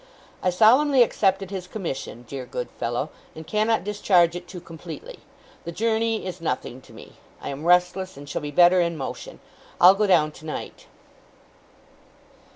I solemnly accepted his commission, dear good fellow, and cannot discharge it too completely. The journey is nothing to me. I am restless, and shall be better in motion. I'll go down tonight.